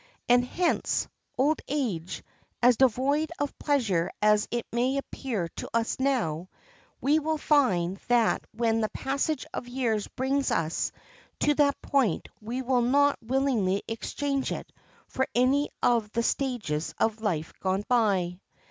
And hence, old age, as devoid of pleasure as it may appear to us now, we will find that when the passage of years brings us to that point we will not willingly exchange it for any of the stages of life gone by.